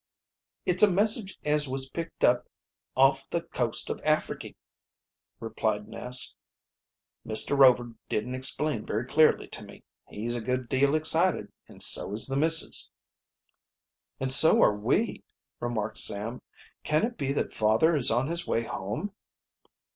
"It's a message as was picked up off the coast of Africky," replied Ness. "Mr. Rover didn't explain very clearly to me. He's a good deal excited, and so is the missus." "And so are we," remarked Sam. "Can it be that father is on his way home?"